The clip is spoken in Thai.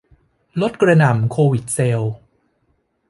ลดกระหน่ำโควิดเซลส์